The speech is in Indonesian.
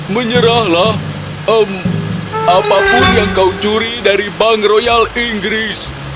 menyerahlah apapun yang kau curi dari bank royal inggris